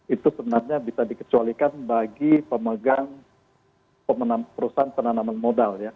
itu sebenarnya bisa dikecualikan bagi pemegang perusahaan penanaman modal ya